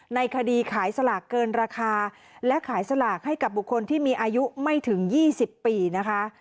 ในคดีขายสลากเกินราคาและขายสลากให้กับบุคคลที่มีอายุไม่ถึง๒๐ปีนะคะ